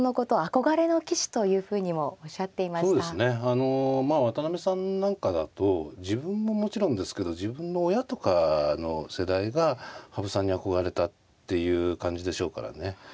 あの渡辺さんなんかだと自分ももちろんですけど自分の親とかの世代が羽生さんに憧れたっていう感じでしょうからね